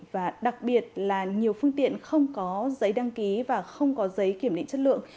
và đặc biệt là nhiều phương tiện không có giấy đăng ký và không có giấy kiểm định chất lượng